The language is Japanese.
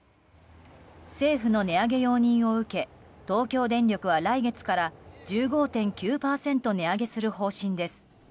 政府の値上げ容認を受け東京電力は来月から１５．９％値上げする方針です。